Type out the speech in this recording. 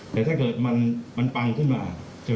แต่ถ้าเกิดมันปังขึ้นมา